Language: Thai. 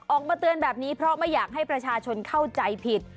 ออกมาเตือนแบบนี้เพราะไม่อยากให้ประชาชนเข้าใจผิด